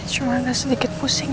cuman sedikit pusing